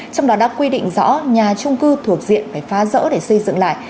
trong đó đã quy định rõ nhà trung cư thuộc diện phải phá rỡ để xây dựng lại